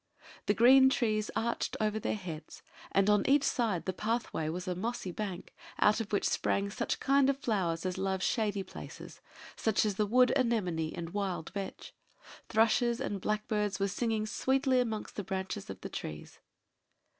The green trees arched over their heads; and on each side the pathway was a mossy bank, out of which sprang such kind of flowers as love shady places such as the wood anemone and wild vetch: thrushes and blackbirds were singing sweetly amongst the branches of the trees.